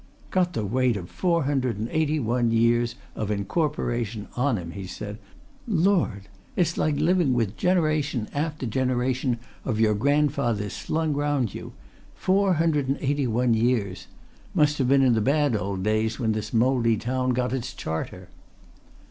"Got the weight of four hundred and eighty one years of incorporation on him!" he said. "Lord! it's like living with generation after generation of your grandfathers slung round you! Four hundred and eighty one years! Must have been in the bad old days when this mouldy town got its charter!"